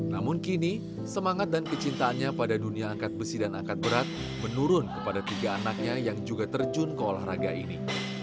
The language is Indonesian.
namun kini semangat dan kecintaannya pada dunia angkat besi dan angkat berat menurun kepada tiga anaknya yang juga terjun ke olahraga ini